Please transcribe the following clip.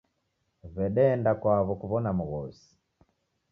W'edeenda kwaw'o kuw'ona mghosi.